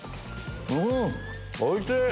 うんおいしい！